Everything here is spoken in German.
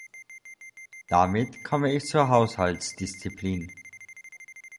Damit komme ich zur Haushaltsdisziplin.